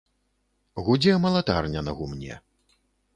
Гудзе малатарня на гумне.